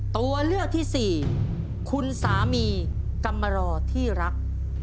ตัวเลือกที่สี่คุณสามีกรรมรอที่รัก